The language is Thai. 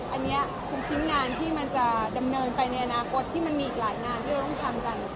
อันนี้เป็นชิ้นงานที่มันจะดำเนินไปในอนาคตที่มันมีอีกหลายงานที่เราต้องทำกัน